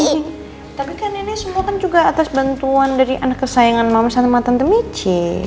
iya tapi kan ini semua kan juga atas bantuan dari anak kesayangan mama sama tante mici